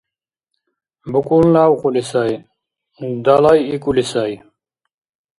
БукӀун лявкьули сай, далайикӀули сай.